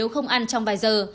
không ăn trong vài giờ